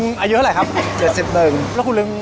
การแชร์ประสบการณ์